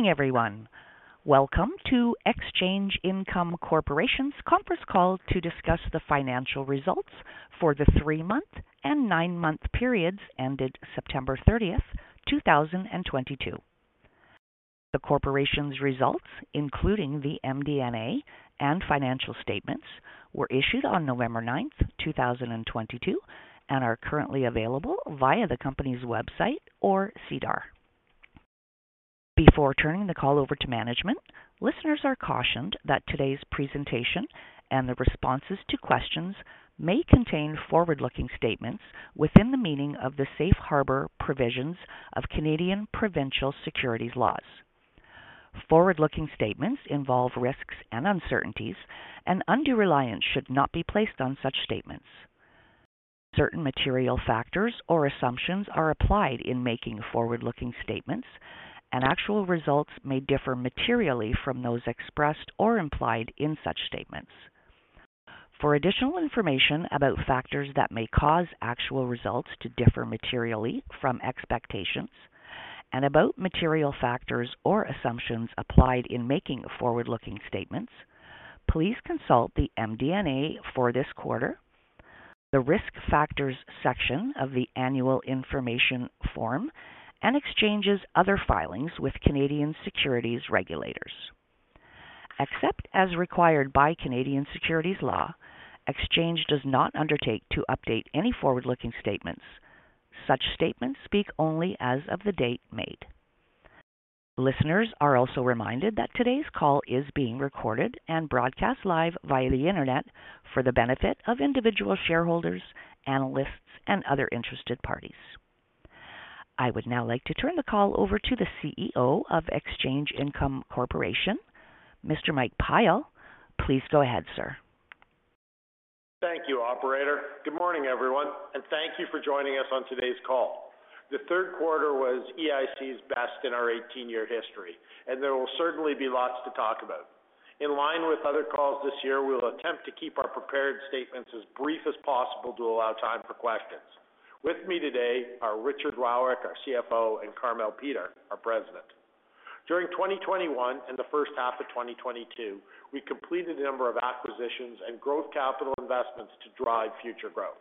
Good morning, everyone. Welcome to Exchange Income Corporation's Conference Call to discuss the financial results for the three-month and nine-month periods ended September 30, 2022. The corporation's results, including the MD&A and financial statements, were issued on November 9, 2022, and are currently available via the company's website or SEDAR+. Before turning the call over to management, listeners are cautioned that today's presentation and the responses to questions may contain forward-looking statements within the meaning of the Safe Harbor provisions of Canadian provincial securities laws. Forward-looking statements involve risks and uncertainties, and undue reliance should not be placed on such statements. Certain material factors or assumptions are applied in making forward-looking statements, and actual results may differ materially from those expressed or implied in such statements. For additional information about factors that may cause actual results to differ materially from expectations and about material factors or assumptions applied in making forward-looking statements, please consult the MD&A for this quarter, the Risk Factors section of the Annual Information Form, and Exchange's other filings with Canadian securities regulators. Except as required by Canadian securities law, Exchange does not undertake to update any forward-looking statements. Such statements speak only as of the date made. Listeners are also reminded that today's call is being recorded and broadcast live via the Internet for the benefit of individual shareholders, analysts, and other interested parties. I would now like to turn the call over to the CEO of Exchange Income Corporation, Mr. Mike Pyle. Please go ahead, sir. Thank you, operator. Good morning, everyone, and thank you for joining us on today's call. The third quarter was EIC's best in our 18-year history, and there will certainly be lots to talk about. In line with other calls this year, we will attempt to keep our prepared statements as brief as possible to allow time for questions. With me today are Richard Wowryk, our CFO, and Carmele Peter, our President. During 2021 and the first half of 2022, we completed a number of acquisitions and growth capital investments to drive future growth.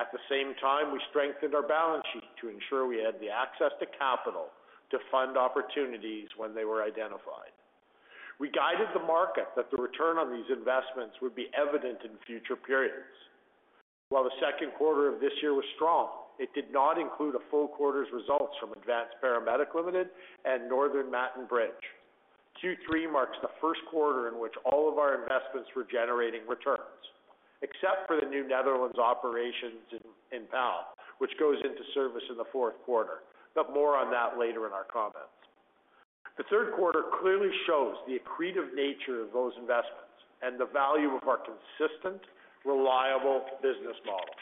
At the same time, we strengthened our balance sheet to ensure we had the access to capital to fund opportunities when they were identified. We guided the market that the return on these investments would be evident in future periods. While the second quarter of this year was strong, it did not include a full quarter's results from Advanced Paramedic Limited Northern Mat & Bridge. Q3 marks the first quarter in which all of our investments were generating returns, except for the Newfoundland operations in PAL, which goes into service in the fourth quarter, but more on that later in our comments. The third quarter clearly shows the accretive nature of those investments and the value of our consistent, reliable business model.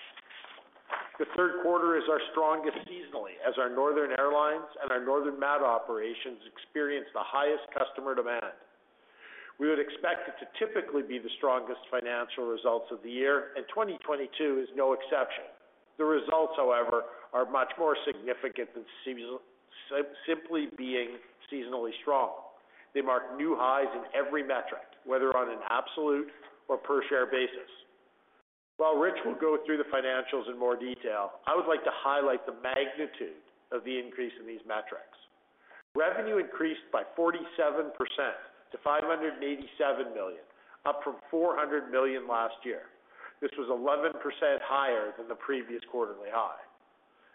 The third quarter is our strongest seasonally as our northern airlines and our northern mat operations experience the highest customer demand. We would expect it to typically be the strongest financial results of the year, and 2022 is no exception. The results, however, are much more significant than simply being seasonally strong. They mark new highs in every metric, whether on an absolute or per share basis. While Rich will go through the financials in more detail, I would like to highlight the magnitude of the increase in these metrics. Revenue increased by 47% to 587 million, up from 400 million last year. This was 11% higher than the previous quarterly high.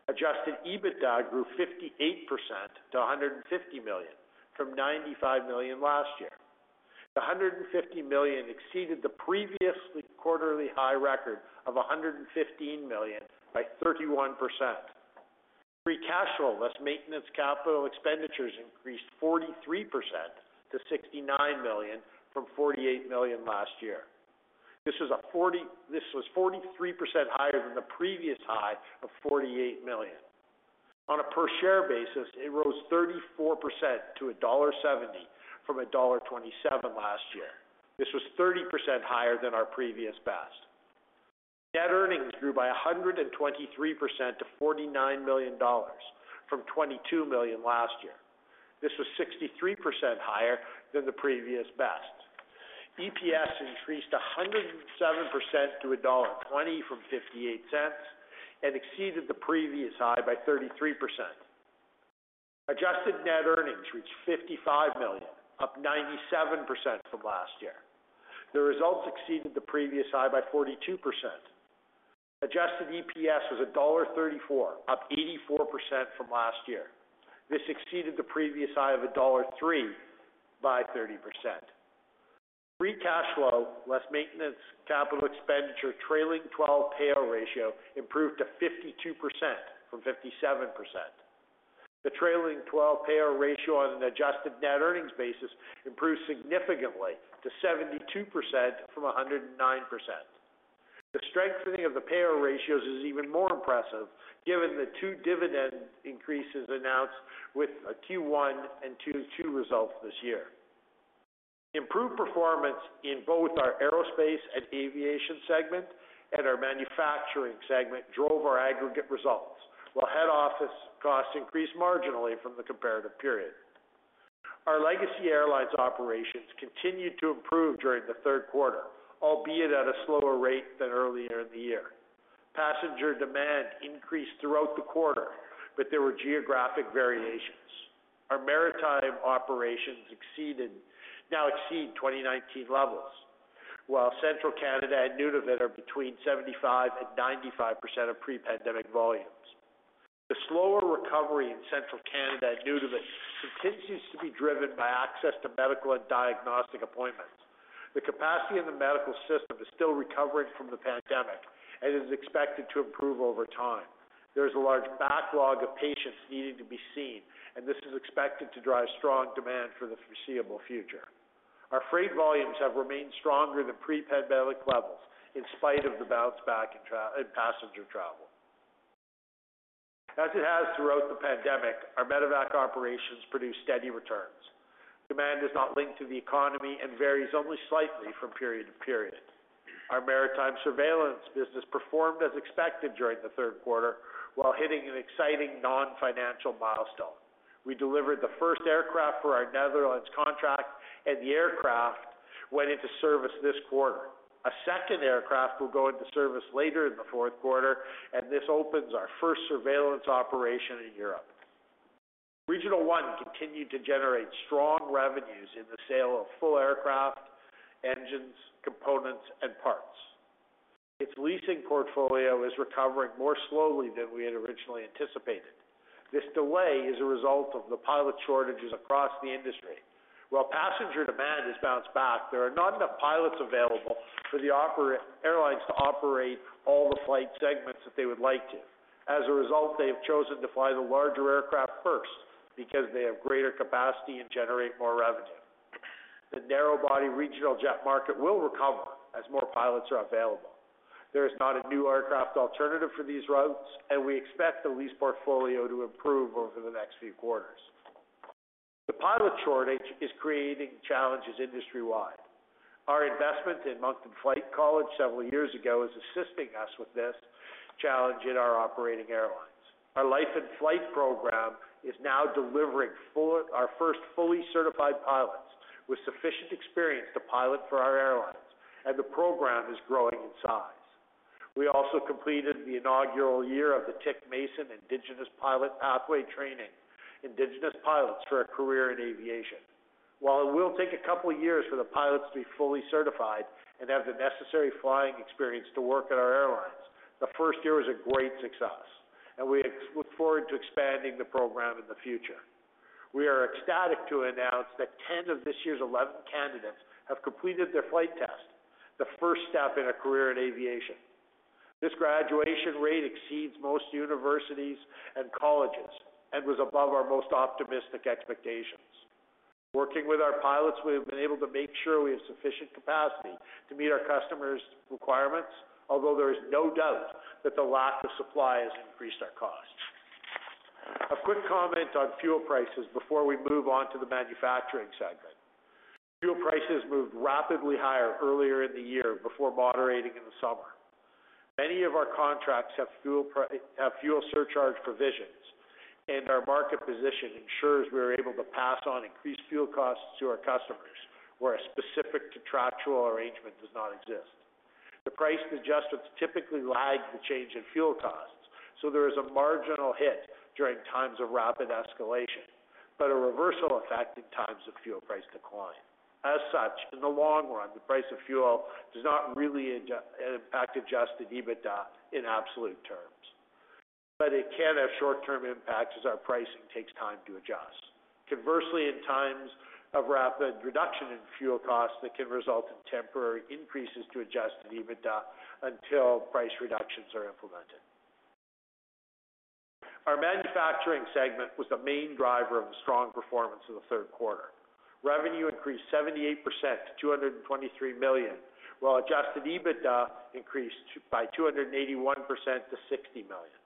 Adjusted EBITDA grew 58% to 150 million from 95 million last year. The 150 million exceeded the previous quarterly high record of 115 million by 31%. Free cash flow less maintenance capital expenditures increased 43% to 69 million from 48 million last year. This was 43% higher than the previous high of 48 million. On a per share basis, it rose 34% to dollar 1.70 from dollar 1.27 last year. This was 30% higher than our previous best. Net earnings grew by 123% to 49 million dollars from 22 million last year. This was 63% higher than the previous best. EPS increased 107% to dollar 1.20 from 0.58 and exceeded the previous high by 33%. Adjusted net earnings reached 55 million, up 97% from last year. The results exceeded the previous high by 42%. Adjusted EPS was dollar 1.34, up 84% from last year. This exceeded the previous high of dollar 1.03 by 30%. Free cash flow less maintenance capital expenditure trailing twelve-month ratio improved to 52% from 57%. The trailing twelve payout ratio on an adjusted net earnings basis improved significantly to 72% from 109%. The strengthening of the payout ratios is even more impressive given the two dividend increases announced with Q1 and Q2 results this year. Improved performance in both our aerospace and aviation segment and our manufacturing segment drove our aggregate results, while head office costs increased marginally from the comparative period. Our Legacy Airlines operations continued to improve during the third quarter, albeit at a slower rate than earlier in the year. Passenger demand increased throughout the quarter, but there were geographic variations. Our maritime operations now exceed 2019 levels, while Central Canada and Nunavut are between 75% and 95% of pre-pandemic volumes. The slower recovery in Central Canada and Nunavut continues to be driven by access to medical and diagnostic appointments. The capacity in the medical system is still recovering from the pandemic and is expected to improve over time. There's a large backlog of patients needing to be seen, and this is expected to drive strong demand for the foreseeable future. Our freight volumes have remained stronger than pre-pandemic levels in spite of the bounce back in passenger travel. As it has throughout the pandemic, our Medevac operations produce steady returns. Demand is not linked to the economy and varies only slightly from period to period. Our maritime surveillance business performed as expected during the third quarter while hitting an exciting non-financial milestone. We delivered the first aircraft for our Netherlands contract and the aircraft went into service this quarter. A second aircraft will go into service later in the fourth quarter, and this opens our first surveillance operation in Europe. Regional One continued to generate strong revenues in the sale of full aircraft, engines, components, and parts. Its leasing portfolio is recovering more slowly than we had originally anticipated. This delay is a result of the pilot shortages across the industry. While passenger demand has bounced back, there are not enough pilots available for the airlines to operate all the flight segments that they would like to. As a result, they have chosen to fly the larger aircraft first because they have greater capacity and generate more revenue. The narrow-body regional jet market will recover as more pilots are available. There is not a new aircraft alternative for these routes, and we expect the lease portfolio to improve over the next few quarters. The pilot shortage is creating challenges industry-wide. Our investment in Moncton Flight College several years ago is assisting us with this challenge in our operating airlines. Our Life in Flight program is now delivering our first fully certified pilots with sufficient experience to pilot for our airlines and the program is growing in size. We also completed the inaugural year of the Atik Mason Indigenous Pilot Pathway, training Indigenous pilots for a career in aviation. While it will take a couple of years for the pilots to be fully certified and have the necessary flying experience to work at our airlines, the first year was a great success, and we look forward to expanding the program in the future. We are ecstatic to announce that 10 of this year's 11 candidates have completed their flight test, the first step in a career in aviation. This graduation rate exceeds most universities and colleges and was above our most optimistic expectations. Working with our pilots, we have been able to make sure we have sufficient capacity to meet our customers' requirements, although there is no doubt that the lack of supply has increased our costs. A quick comment on fuel prices before we move on to the manufacturing segment. Fuel prices moved rapidly higher earlier in the year before moderating in the summer. Many of our contracts have fuel surcharge provisions, and our market position ensures we are able to pass on increased fuel costs to our customers where a specific contractual arrangement does not exist. The price adjustments typically lag the change in fuel costs, so there is a marginal hit during times of rapid escalation, but a reversal effect in times of fuel price decline. As such, in the long run, the price of fuel does not really adversely impact Adjusted EBITDA in absolute terms, but it can have short-term impacts as our pricing takes time to adjust. Conversely, in times of rapid reduction in fuel costs, that can result in temporary increases to Adjusted EBITDA until price reductions are implemented. Our manufacturing segment was the main driver of the strong performance in the third quarter. Revenue increased 78% to 223 million, while Adjusted EBITDA increased by 281% to 60 million.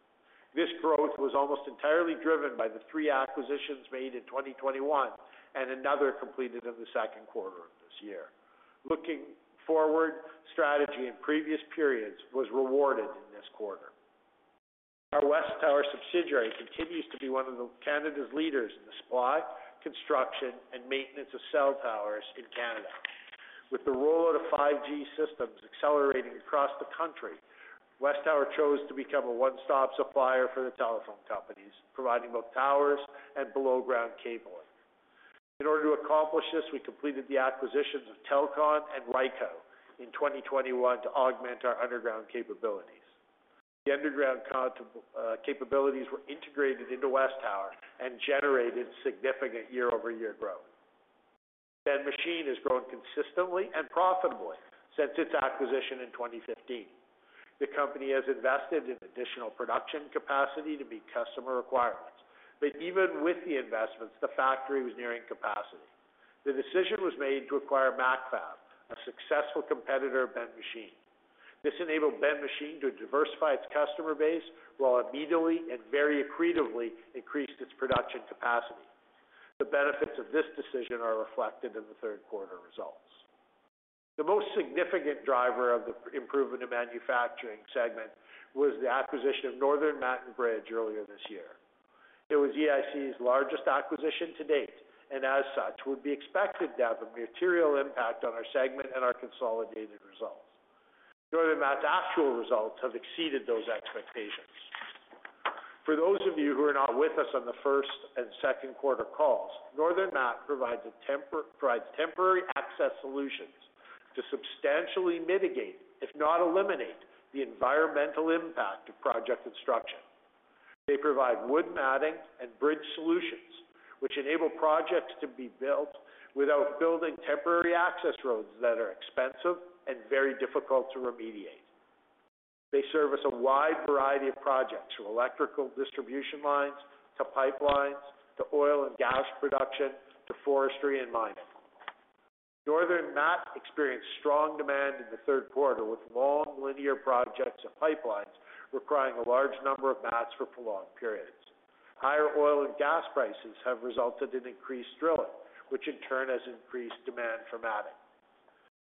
This growth was almost entirely driven by the three acquisitions made in 2021 and another completed in the second quarter of this year. Looking forward, strategy in previous periods was rewarded in this quarter. Our WesTower subsidiary continues to be one of Canada's leaders in the supply, construction, and maintenance of cell towers in Canada. With the rollout of the 5G systems accelerating across the country, WesTower chose to become a one-stop supplier for the telephone companies, providing both towers and below-ground cabling. In order to accomplish this, we completed the acquisitions of Telcon and Lyco in 2021 to augment our underground capabilities. The underground capabilities were integrated into WesTower and generated significant year-over-year growth. Ben Machine is growing consistently and profitably since its acquisition in 2015. The company has invested in additional production capacity to meet customer requirements, but even with the investments, the factory was nearing capacity. The decision was made to acquire MacFab, a successful competitor of Ben Machine. This enabled Ben Machine to diversify its customer base while immediately and very accretively increased its production capacity. The benefits of this decision are reflected in the third quarter results. The most significant driver of the improvement of manufacturing segment was the acquisition Northern Mat & Bridge earlier this year. It was EIC's largest acquisition to date, and as such, would be expected to have a material impact on our segment and our consolidated results. Northern Mat & Bridge's actual results have exceeded those expectations. For those of you who are not with us on the first and second quarter calls, Northern Mat & Bridge provides temporary access solutions to substantially mitigate, if not eliminate the environmental impact of project construction. They provide wood matting and bridge solutions, which enable projects to be built without building temporary access roads that are expensive and very difficult to remediate. They service a wide variety of projects from electrical distribution lines to pipelines, to oil and gas production, to Northern Mat & Bridge experienced strong demand in the third quarter with long linear projects and pipelines requiring a large number of mats for prolonged periods. Higher oil and gas prices have resulted in increased drilling, which in turn has increased demand for matting.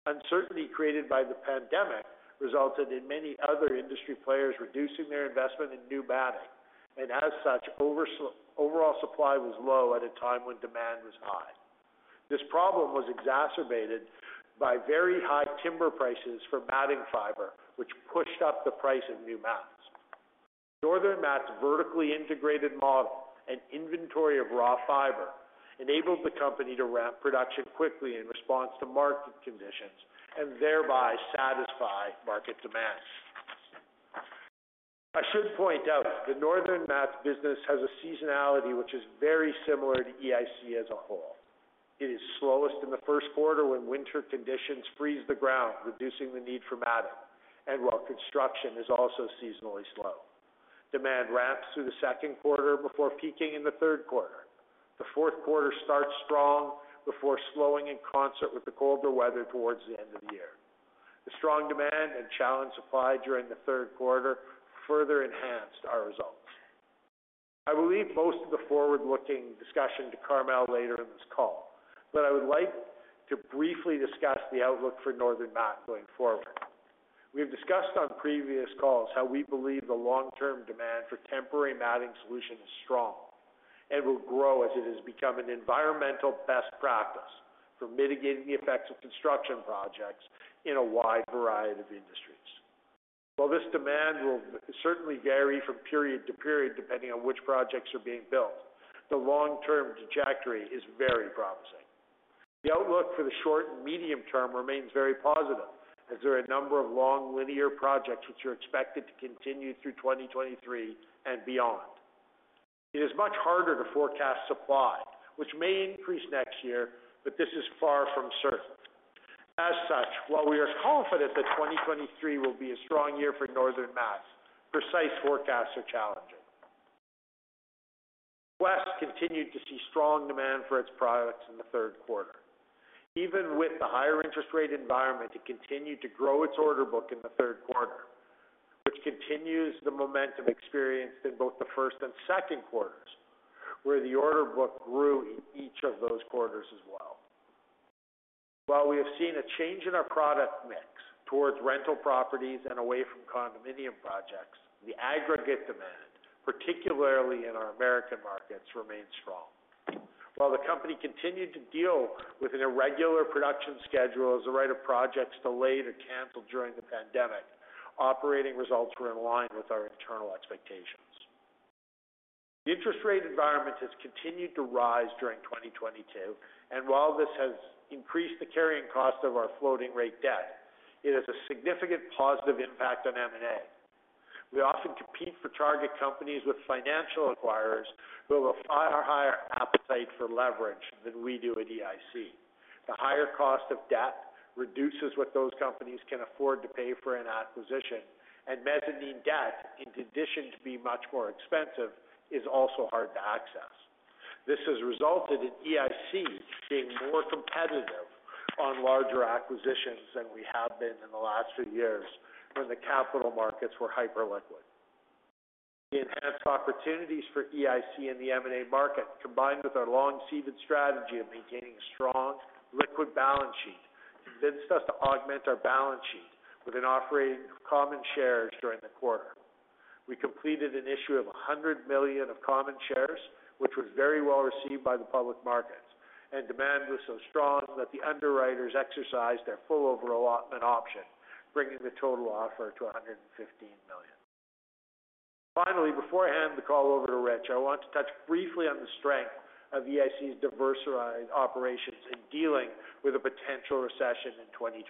Uncertainty created by the pandemic resulted in many other industry players reducing their investment in new matting, and as such, overall supply was low at a time when demand was high. This problem was exacerbated by very high timber prices for matting fiber, which pushed up the price of new mats. Northern Mat & Bridge's vertically integrated model and inventory of raw fiber enabled the company to ramp production quickly in response to market conditions and thereby satisfy market demands. I should point out the Northern Mat & Bridge business has a seasonality which is very similar to EIC as a whole. It is slowest in the first quarter when winter conditions freeze the ground, reducing the need for matting. While construction is also seasonally slow. Demand ramps through the second quarter before peaking in the third quarter. The fourth quarter starts strong before slowing in concert with the colder weather towards the end of the year. The strong demand and challenged supply during the third quarter further enhanced our results. I will leave most of the forward-looking discussion to Carmele later in this call, but I would like to briefly discuss the outlook for Northern Mat & Bridge going forward. We have discussed on previous calls how we believe the long-term demand for temporary matting solutions is strong and will grow as it has become an environmental best practice for mitigating the effects of construction projects in a wide variety of industries. While this demand will certainly vary from period to period, depending on which projects are being built, the long-term trajectory is very promising. The outlook for the short and medium term remains very positive as there are a number of long linear projects which are expected to continue through 2023 and beyond. It is much harder to forecast supply, which may increase next year, but this is far from certain. As such, while we are confident that 2023 will be a Northern Mat & Bridge, precise forecasts are challenging. Quest continued to see strong demand for its products in the third quarter. Even with the higher interest rate environment, it continued to grow its order book in the third quarter, which continues the momentum experienced in both the first and second quarters, where the order book grew in each of those quarters as well. While we have seen a change in our product mix towards rental properties and away from condominium projects, the aggregate demand, particularly in our American markets, remains strong. While the company continued to deal with an irregular production schedule as a result of projects delayed or canceled during the pandemic, operating results were in line with our internal expectations. The interest rate environment has continued to rise during 2022, and while this has increased the carrying cost of our floating rate debt, it has a significant positive impact on M&A. We often compete for target companies with financial acquirers who have a far higher appetite for leverage than we do at EIC. The higher cost of debt reduces what those companies can afford to pay for an acquisition. Mezzanine debt, in addition to being much more expensive, is also hard to access. This has resulted in EIC being more competitive on larger acquisitions than we have been in the last few years when the capital markets were hyper liquid. The enhanced opportunities for EIC in the M&A market, combined with our long-seeded strategy of maintaining a strong liquid balance sheet, convinced us to augment our balance sheet with an offering of common shares during the quarter. We completed an issue of 100 million of common shares, which was very well received by the public markets, and demand was so strong that the underwriters exercised their full over-allotment option, bringing the total offer to 115 million. Finally, before I hand the call over to Rich, I want to touch briefly on the strength of EIC's diversified operations in dealing with a potential recession in 2023.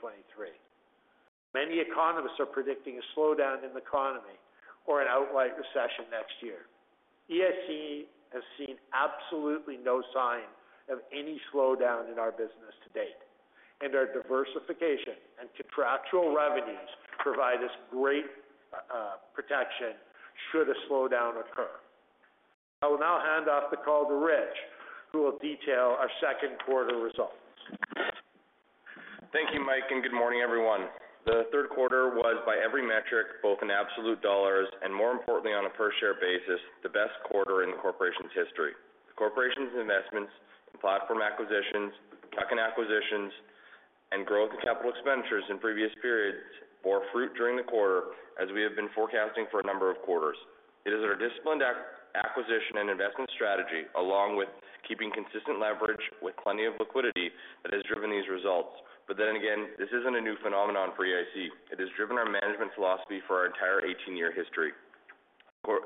Many economists are predicting a slowdown in the economy or an outright recession next year. EIC has seen absolutely no sign of any slowdown in our business to date, and our diversification and contractual revenues provide us great protection should a slowdown occur. I will now hand off the call to Rich, who will detail our second quarter results. Thank you, Mike, and good morning, everyone. The third quarter was by every metric, both in absolute dollars and more importantly on a per share basis, the best quarter in the corporation's history. The corporation's investments in platform acquisitions, tuck-in acquisitions, and growth in capital expenditures in previous periods bore fruit during the quarter, as we have been forecasting for a number of quarters. It is our disciplined acquisition and investment strategy, along with keeping consistent leverage with plenty of liquidity that has driven these results. This isn't a new phenomenon for EIC. It has driven our management philosophy for our entire 18-year history.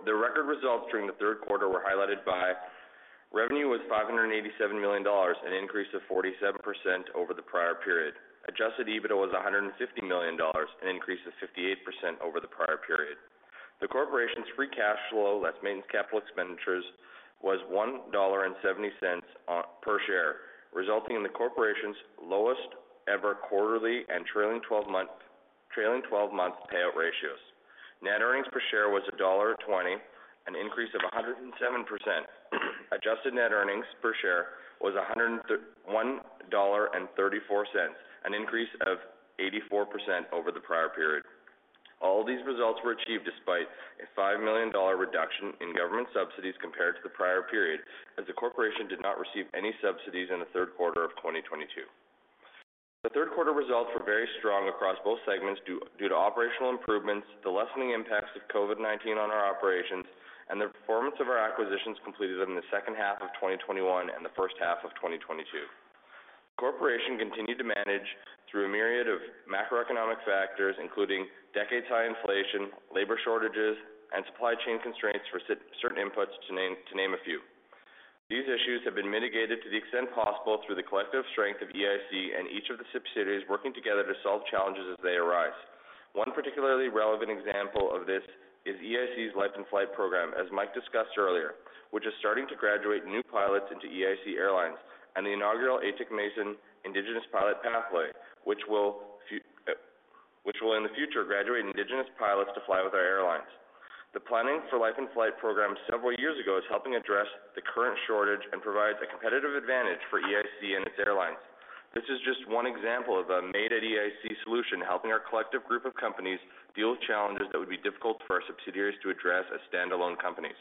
The record results during the third quarter were highlighted by revenue was 587 million dollars, an increase of 47% over the prior period. Adjusted EBITDA was 150 million dollars, an increase of 58% over the prior period. The corporation's free cash flow less maintenance capital expenditures was 1.70 dollar per share, resulting in the corporation's lowest ever quarterly and trailing 12-month payout ratios. Net earnings per share was dollar 1.20, an increase of 107%. Adjusted net earnings per share was 1.34 dollar, an increase of 84% over the prior period. All these results were achieved despite a 5 million dollar reduction in government subsidies compared to the prior period, as the corporation did not receive any subsidies in the third quarter of 2022. The third quarter results were very strong across both segments due to operational improvements, the lessening impacts of COVID-19 on our operations, and the performance of our acquisitions completed in the second half of 2021 and the first half of 2022. The corporation continued to manage through a myriad of macroeconomic factors, including decades-high inflation, labor shortages, and supply chain constraints for certain inputs to name a few. These issues have been mitigated to the extent possible through the collective strength of EIC and each of the subsidiaries working together to solve challenges as they arise. One particularly relevant example of this is EIC's Life in Flight program, as Mike discussed earlier, which is starting to graduate new pilots into EIC airlines and the inaugural Atik Mason Indigenous Pilot Pathway, which will in the future graduate Indigenous pilots to fly with our airlines. The planning for Life in Flight program several years ago is helping address the current shortage and provides a competitive advantage for EIC and its airlines. This is just one example of a Made-at-EIC solution helping our collective group of companies deal with challenges that would be difficult for our subsidiaries to address as standalone companies.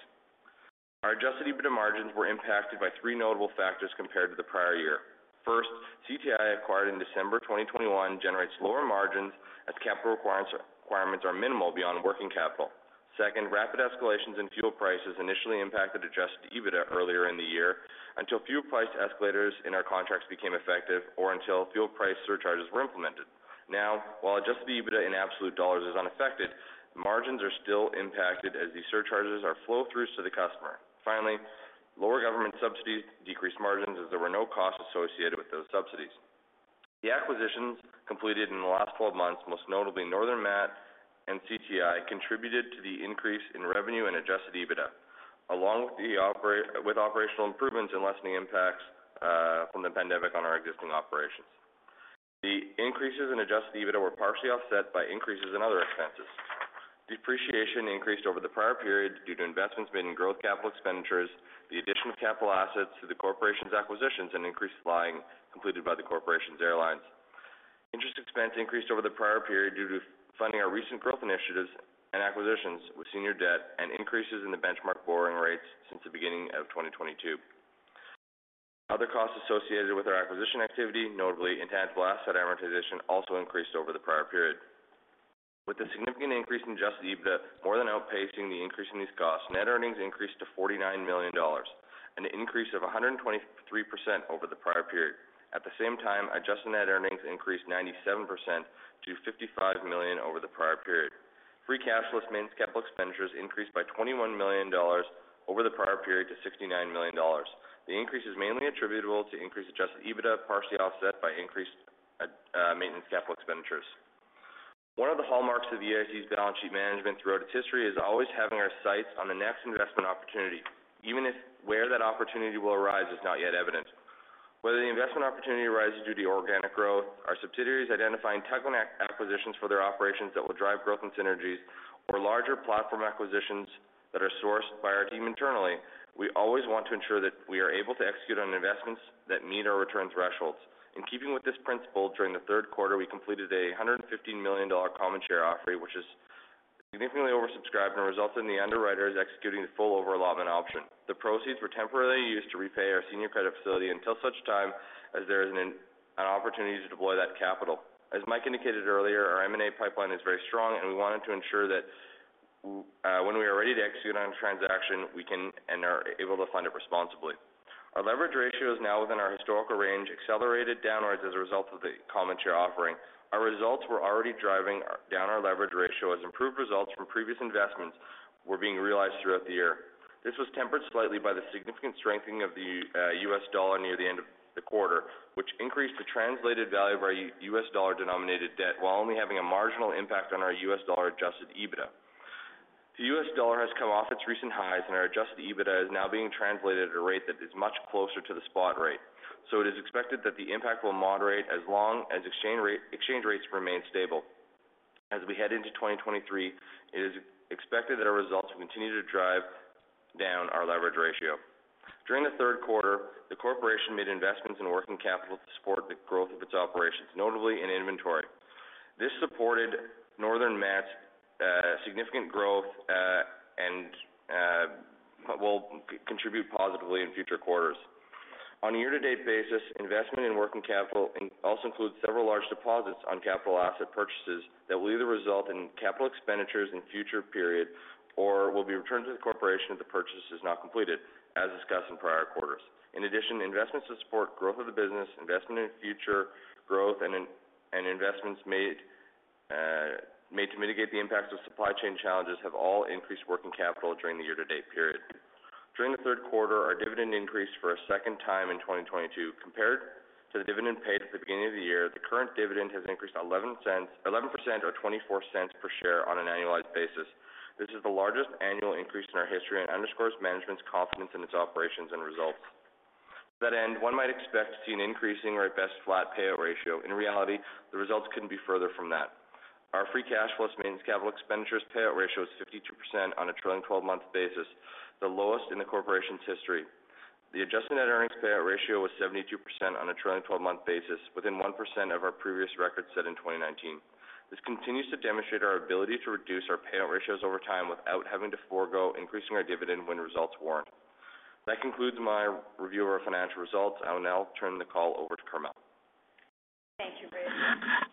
Our Adjusted EBITDA margins were impacted by three notable factors compared to the prior year. First, CTI acquired in December 2021 generates lower margins as capital requirements are minimal beyond working capital. Second, rapid escalations in fuel prices initially impacted Adjusted EBITDA earlier in the year until fuel price escalators in our contracts became effective or until fuel price surcharges were implemented. Now, while Adjusted EBITDA in absolute dollars is unaffected, margins are still impacted as these surcharges are flow-throughs to the customer. Finally, lower government subsidies decreased margins as there were no costs associated with those subsidies. The acquisitions completed in the last 12 months, most notably Northern Mat & Bridge and CTI, contributed to the increase in revenue and Adjusted EBITDA, along with operational improvements and lessening impacts from the pandemic on our existing operations. The increases in Adjusted EBITDA were partially offset by increases in other expenses. Depreciation increased over the prior period due to investments made in growth capital expenditures, the addition of capital assets to the corporation's acquisitions, and increased flying completed by the corporation's airlines. Interest expense increased over the prior period due to funding our recent growth initiatives and acquisitions with senior debt and increases in the benchmark borrowing rates since the beginning of 2022. Other costs associated with our acquisition activity, notably intangible asset amortization, also increased over the prior period. With a significant increase in Adjusted EBITDA more than outpacing the increase in these costs, net earnings increased to 49 million dollars, an increase of 123% over the prior period. At the same time, adjusted net earnings increased 97% to 55 million over the prior period. Free cash less maintenance capital expenditures increased by 21 million dollars over the prior period to 69 million dollars. The increase is mainly attributable to increased Adjusted EBITDA, partially offset by increased maintenance capital expenditures. One of the hallmarks of EIC's balance sheet management throughout its history is always having our sights on the next investment opportunity, even if where that opportunity will arise is not yet evident. Whether the investment opportunity arises due to organic growth, our subsidiaries identifying tuck-in acquisitions for their operations that will drive growth and synergies or larger platform acquisitions that are sourced by our team internally, we always want to ensure that we are able to execute on investments that meet our return thresholds. In keeping with this principle, during the third quarter, we completed 150 million dollar common share offering, which is significantly oversubscribed and resulted in the underwriters executing the full overallotment option. The proceeds were temporarily used to repay our senior credit facility until such time as there is an opportunity to deploy that capital. As Mike indicated earlier, our M&A pipeline is very strong, and we wanted to ensure that when we are ready to execute on a transaction, we can and are able to fund it responsibly. Our leverage ratio is now within our historical range, accelerated downwards as a result of the common share offering. Our results were already driving down our leverage ratio as improved results from previous investments were being realized throughout the year. This was tempered slightly by the significant strengthening of the U.S. dollar near the end of the quarter, which increased the translated value of our U.S. dollar-denominated debt, while only having a marginal impact on our U.S. dollar-Adjusted EBITDA. The U.S. dollar has come off its recent highs, and our Adjusted EBITDA is now being translated at a rate that is much closer to the spot rate. It is expected that the impact will moderate as long as exchange rates remain stable. As we head into 2023, it is expected that our results will continue to drive down our leverage ratio. During the third quarter, the corporation made investments in working capital to support the growth of its operations, notably in inventory. Northern Mat & Bridge's significant growth and will contribute positively in future quarters. On a year-to-date basis, investment in working capital also includes several large deposits on capital asset purchases that will either result in capital expenditures in future periods or will be returned to the corporation if the purchase is not completed, as discussed in prior quarters. In addition, investments to support growth of the business, investment in future growth, and investments made to mitigate the impacts of supply chain challenges have all increased working capital during the year-to-date period. During the third quarter, our dividend increased for a second time in 2022. Compared to the dividend paid at the beginning of the year, the current dividend has increased CAD 0.11% or 0.24 per share on an annualized basis. This is the largest annual increase in our history and underscores management's confidence in its operations and results. To that end, one might expect to see an increasing or at best flat payout ratio. In reality, the results couldn't be further from that. Our free cash flow less maintenance capital expenditures payout ratio is 52% on a trailing twelve-month basis, the lowest in the corporation's history. The Adjusted Net Earnings Payout Ratio was 72% on a trailing 12-month basis, within 1% of our previous record set in 2019. This continues to demonstrate our ability to reduce our payout ratios over time without having to forgo increasing our dividend when results warrant. That concludes my review of our financial results. I will now turn the call over to Carmele. Thank you, Rich.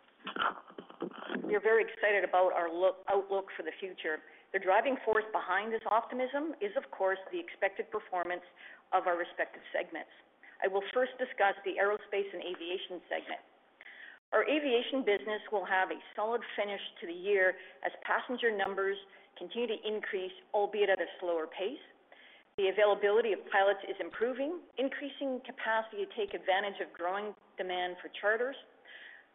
We are very excited about our outlook for the future. The driving force behind this optimism is, of course, the expected performance of our respective segments. I will first discuss the aerospace and aviation segment. Our aviation business will have a solid finish to the year as passenger numbers continue to increase, albeit at a slower pace. The availability of pilots is improving, increasing capacity to take advantage of growing demand for charters.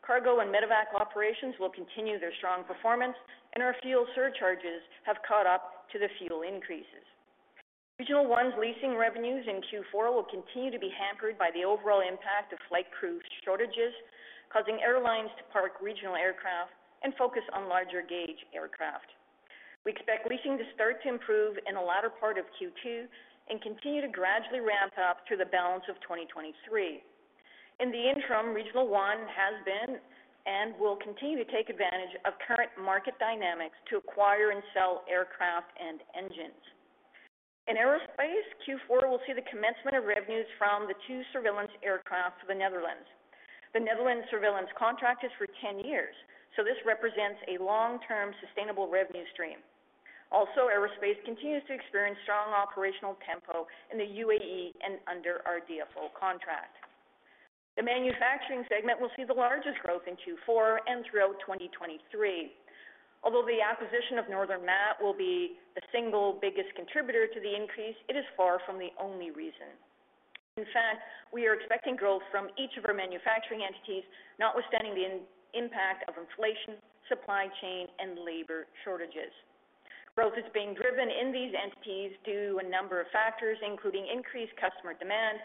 Cargo and Medevac operations will continue their strong performance, and our fuel surcharges have caught up to the fuel increases. Regional One's leasing revenues in Q4 will continue to be hampered by the overall impact of flight crew shortages, causing airlines to park regional aircraft and focus on larger gauge aircraft. We expect leasing to start to improve in the latter part of Q2 and continue to gradually ramp up through the balance of 2023. In the interim, Regional One has been and will continue to take advantage of current market dynamics to acquire and sell aircraft and engines. In aerospace, Q4 will see the commencement of revenues from the two surveillance aircraft to the Netherlands. The Netherlands surveillance contract is for 10 years, so this represents a long-term sustainable revenue stream. Also, aerospace continues to experience strong operational tempo in the UAE and under our DFO contract. The manufacturing segment will see the largest growth in Q4 and throughout 2023. Although the acquisition of Northern Mat & Bridge will be the single biggest contributor to the increase, it is far from the only reason. In fact, we are expecting growth from each of our manufacturing entities, notwithstanding the impact of inflation, supply chain, and labor shortages. Growth is being driven in these entities due to a number of factors, including increased customer demand,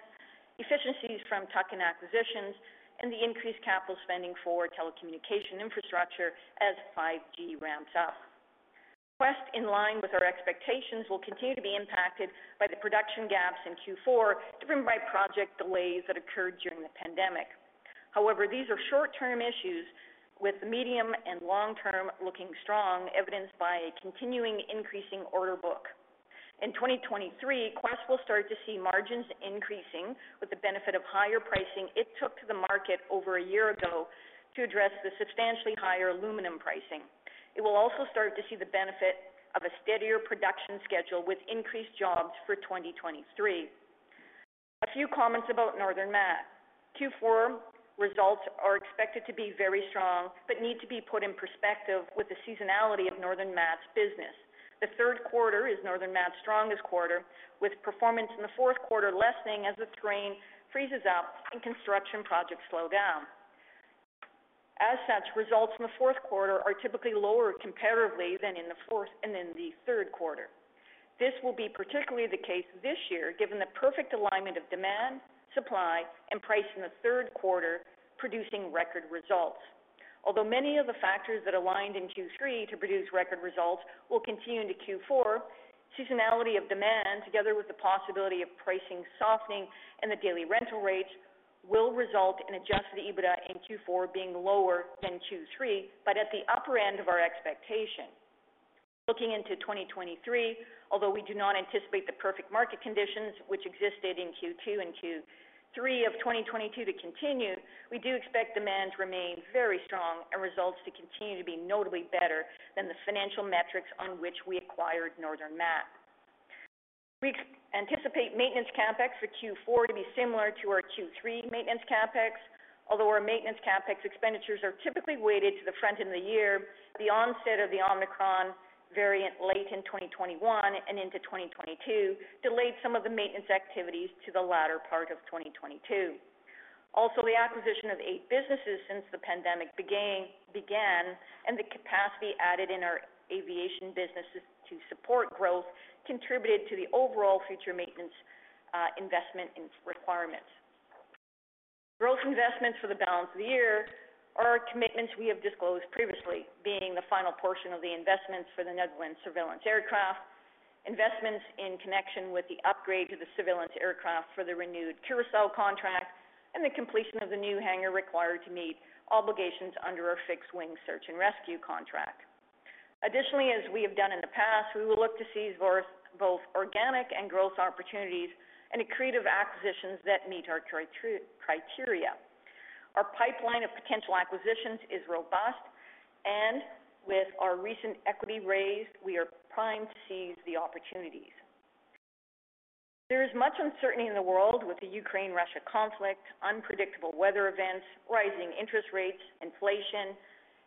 efficiencies from tuck-in acquisitions, and the increased capital spending for telecommunication infrastructure as 5G ramps up. Quest, in line with our expectations, will continue to be impacted by the production gaps in Q4 driven by project delays that occurred during the pandemic. However, these are short-term issues, with the medium and long term looking strong, evidenced by a continuing increasing order book. In 2023, Quest will start to see margins increasing with the benefit of higher pricing it took to the market over a year ago to address the substantially higher aluminum pricing. It will also start to see the benefit of a steadier production schedule with increased jobs for 2023. A few comments about Northern Mat & Bridge. Q4 results are expected to be very strong, but need to be put in perspective with the seasonality of Northern Mat & Bridge's business. The third quarter is Northern Mat & Bridge's strongest quarter, with performance in the fourth quarter lessening as the terrain freezes up and construction projects slow down. As such, results in the fourth quarter are typically lower comparatively than in the fourth and in the third quarter. This will be particularly the case this year, given the perfect alignment of demand, supply, and price in the third quarter, producing record results. Although many of the factors that aligned in Q3 to produce record results will continue into Q4, seasonality of demand, together with the possibility of pricing softening and the daily rental rates will result in Adjusted EBITDA in Q4 being lower than Q3, but at the upper end of our expectation. Looking into 2023, although we do not anticipate the perfect market conditions which existed in Q2 and Q3 of 2022 to continue, we do expect demand to remain very strong and results to continue to be notably better than the financial metrics on which we acquired Northern Mat & Bridge. We anticipate maintenance CapEx for Q4 to be similar to our Q3 maintenance CapEx. Although our maintenance CapEx expenditures are typically weighted to the front end of the year, the onset of the Omicron variant late in 2021 and into 2022 delayed some of the maintenance activities to the latter part of 2022. Also, the acquisition of eight businesses since the pandemic began, and the capacity added in our aviation businesses to support growth contributed to the overall future maintenance, investment and requirements. Growth investments for the balance of the year are commitments we have disclosed previously, being the final portion of the investments for the Netherlands surveillance aircraft, investments in connection with the upgrade to the surveillance aircraft for the renewed Curaçao contract, and the completion of the new hangar required to meet obligations under our fixed wing search and rescue contract. Additionally, as we have done in the past, we will look to seize both organic and growth opportunities and accretive acquisitions that meet our criteria. Our pipeline of potential acquisitions is robust, and with our recent equity raise, we are primed to seize the opportunities. There is much uncertainty in the world with the Ukraine-Russia conflict, unpredictable weather events, rising interest rates, inflation,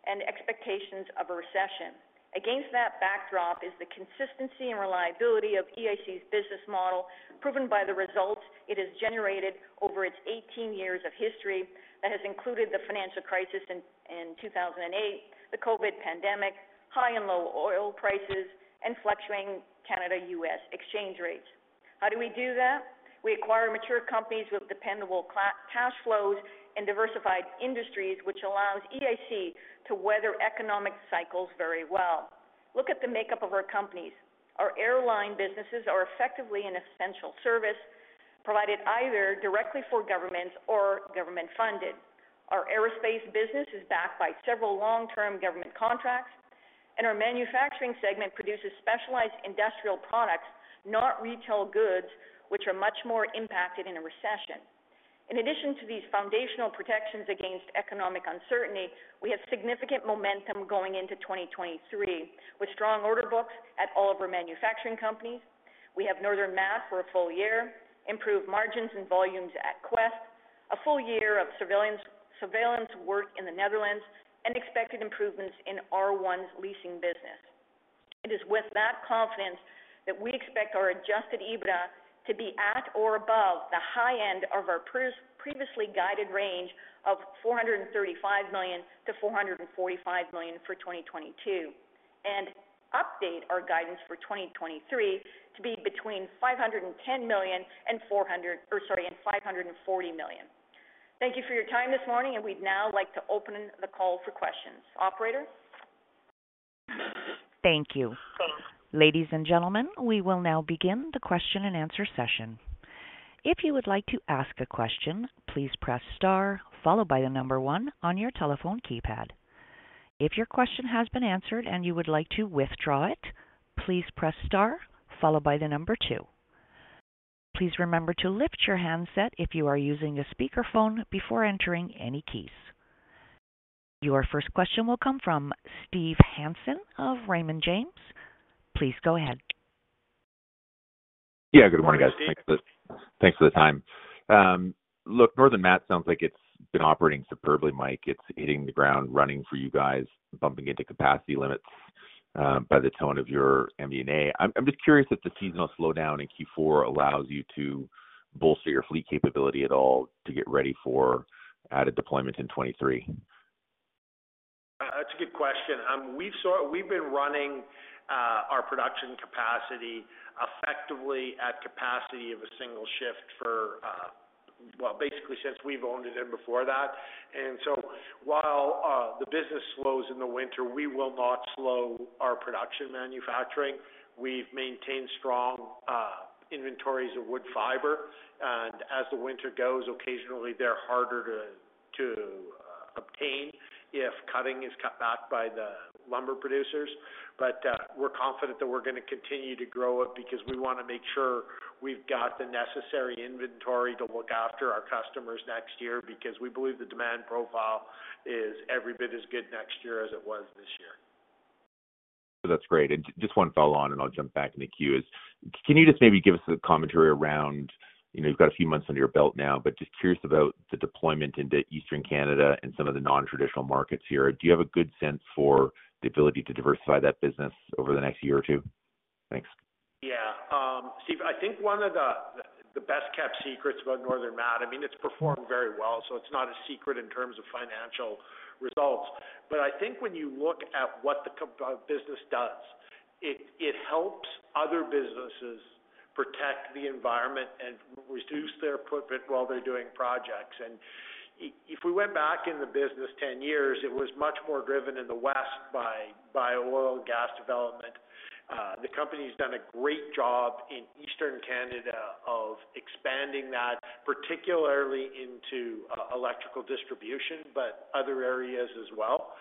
and expectations of a recession. Against that backdrop is the consistency and reliability of EIC's business model, proven by the results it has generated over its 18 years of history that has included the financial crisis in 2008, the COVID pandemic, high and low oil prices, and fluctuating Canada/U.S. exchange rates. How do we do that? We acquire mature companies with dependable cash flows in diversified industries, which allows EIC to weather economic cycles very well. Look at the makeup of our companies. Our airline businesses are effectively an essential service provided either directly for governments or government funded. Our aerospace business is backed by several long-term government contracts, and our manufacturing segment produces specialized industrial products, not retail goods, which are much more impacted in a recession. In addition to these foundational protections against economic uncertainty, we have significant momentum going into 2023 with strong order books at all of our manufacturing companies. We have Northern Mat & Bridge for a full year, improved margins and volumes at Quest, a full year of surveillance work in the Netherlands, and expected improvements in R1's leasing business. It is with that confidence that we expect our Adjusted EBITDA to be at or above the high end of our previously guided range of 435 million-445 million for 2022, and update our guidance for 2023 to be between 510 million and, sorry, and 540 million. Thank you for your time this morning, and we'd now like to open the call for questions. Operator? Thank you. Ladies and gentlemen, we will now begin the question-and-answer session. If you would like to ask a question, please press star followed by the number one on your telephone keypad. If your question has been answered and you would like to withdraw it, please press star followed by the number two. Please remember to lift your handset if you are using a speakerphone before entering any keys. Your first question will come from Steve Hansen of Raymond James. Please go ahead. Yeah, good morning, guys. Thanks for the time. Look, Northern Mat & Bridge sounds like it's been operating superbly, Mike. It's hitting the ground running for you guys, bumping into capacity limits by the tone of your M&A. I'm just curious if the seasonal slowdown in Q4 allows you to bolster your fleet capability at all to get ready for added deployment in 2023. That's a good question. We've been running our production capacity effectively at capacity of a single shift for well, basically since we've owned it and before that. While the business slows in the winter, we will not slow our production manufacturing. We've maintained strong inventories of wood fiber. As the winter goes, occasionally they're harder to obtain if cutting is cut back by the lumber producers. We're confident that we're gonna continue to grow it because we wanna make sure we've got the necessary inventory to look after our customers next year, because we believe the demand profile is every bit as good next year as it was this year. That's great. Just one follow-on and I'll jump back in the queue, is can you just maybe give us a commentary around, you know, you've got a few months under your belt now, but just curious about the deployment into Eastern Canada and some of the non-traditional markets here. Do you have a good sense for the ability to diversify that business over the next year or two? Thanks. Yeah. Steve, I think one of the best Northern Mat & Bridge, I mean, it's performed very well, so it's not a secret in terms of financial results. But I think when you look at what the business does, it helps other businesses protect the environment and reduce their footprint while they're doing projects. If we went back in the business ten years, it was much more driven in the West by oil and gas development. The company's done a great job in Eastern Canada of expanding that, particularly into electrical distribution, but other areas as well.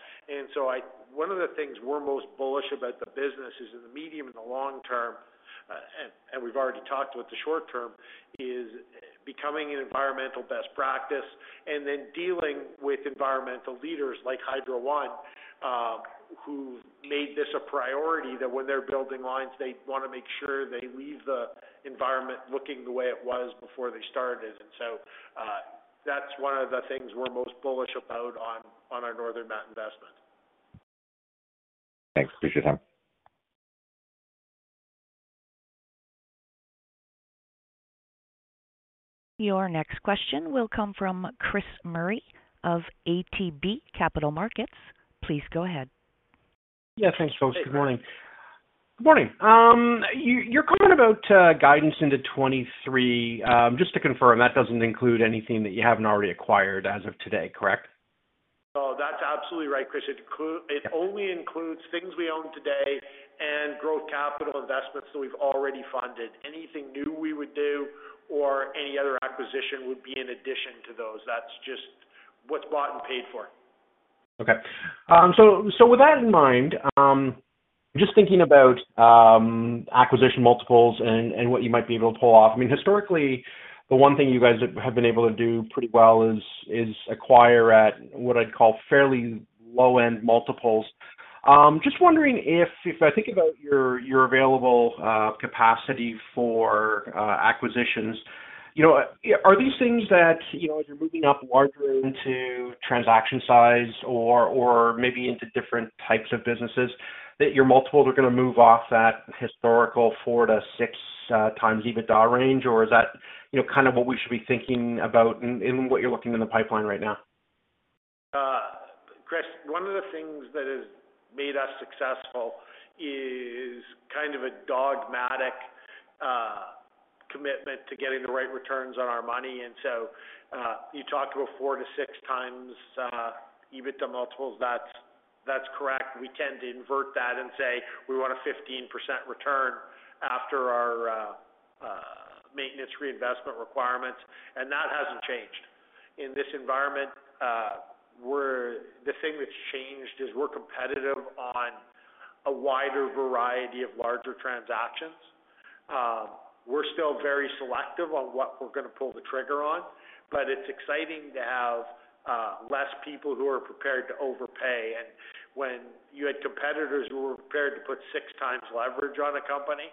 One of the things we're most bullish about the business is in the medium and the long term, and we've already talked about the short term, is becoming an environmental best practice and then dealing with environmental leaders like Hydro One, who've made this a priority that when they're building lines, they wanna make sure they leave the environment looking the way it was before they started. That's one of the things we're most bullish about on our Northern Mat & Bridge investment. Thanks. Appreciate your time. Your next question will come from Chris Murray of ATB Capital Markets. Please go ahead. Yeah. Thanks, folks. Good morning. Good morning. Your comment about guidance into 2023, just to confirm, that doesn't include anything that you haven't already acquired as of today, correct? No, that's absolutely right, Chris. It only includes things we own today and growth capital investments that we've already funded. Anything new we would do or any other acquisition would be in addition to those. That's just what's bought and paid for. Okay. With that in mind, just thinking about acquisition multiples and what you might be able to pull off, I mean, historically, the one thing you guys have been able to do pretty well is acquire at what I'd call fairly low-end multiples. Just wondering if I think about your available capacity for acquisitions, you know, are these things that, you know, as you're moving up larger into transaction size or maybe into different types of businesses, that your multiples are gonna move off that historical 4x-6x EBITDA range, or is that, you know, kind of what we should be thinking about in what you're looking in the pipeline right now? Chris, one of the things that has made us successful is kind of a dogmatic commitment to getting the right returns on our money. You talk about 4x-6x EBITDA multiples. That's correct. We tend to invert that and say we want a 15% return after our maintenance reinvestment requirements, and that hasn't changed. In this environment, the thing that's changed is we're competitive on a wider variety of larger transactions. We're still very selective on what we're gonna pull the trigger on, but it's exciting to have less people who are prepared to overpay. When you had competitors who were prepared to put 6x leverage on a company,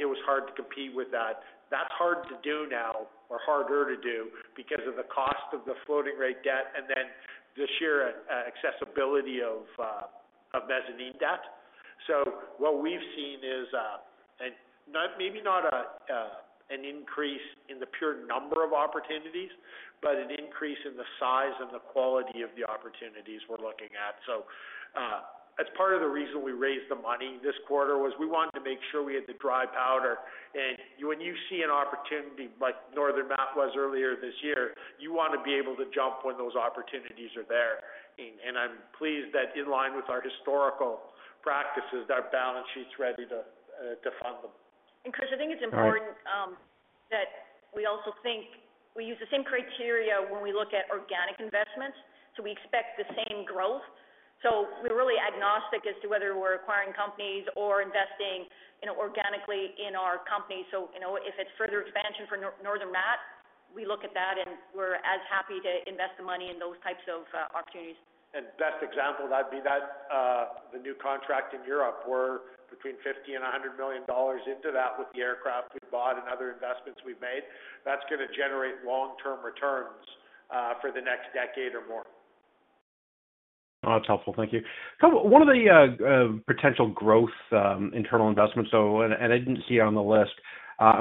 it was hard to compete with that. That's hard to do now or harder to do because of the cost of the floating rate debt and then the sheer accessibility of mezzanine debt. What we've seen is maybe not an increase in the pure number of opportunities, but an increase in the size and the quality of the opportunities we're looking at. As part of the reason we raised the money this quarter was we wanted to make sure we had the dry powder. When you see an opportunity like Northern Mat & Bridge was earlier this year, you wanna be able to jump when those opportunities are there. I'm pleased that in line with our historical practices, our balance sheet's ready to fund them. Chris, I think it's important. Right. that we also think we use the same criteria when we look at organic investments, so we expect the same growth. We're really agnostic as to whether we're acquiring companies or investing, you know, organically in our company. You know, if it's further expansion for Northern Mat & Bridge, we look at that, and we're as happy to invest the money in those types of opportunities. Best example of that'd be that, the new contract in Europe, we're between 50 million and 100 million dollars into that with the aircraft we bought and other investments we've made. That's gonna generate long-term returns, for the next decade or more. That's helpful. Thank you. One of the potential growth internal investments, and I didn't see it on the list,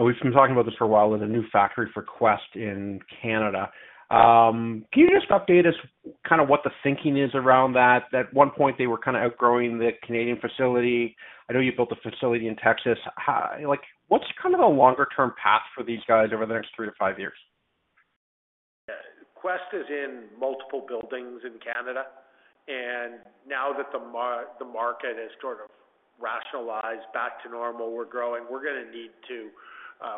we've been talking about this for a while, is a new factory for Quest in Canada. Can you just update us kind of what the thinking is around that? At one point, they were kinda outgrowing the Canadian facility. I know you built a facility in Texas. Like, what's kind of a longer term path for these guys over the next three to five years? Quest is in multiple buildings in Canada, and now that the market has sort of rationalized back to normal, we're growing. We're gonna need to